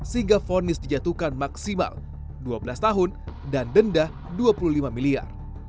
sehingga fonis dijatuhkan maksimal dua belas tahun dan denda dua puluh lima miliar